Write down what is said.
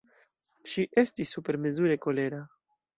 Ŝi estis supermezure kolera!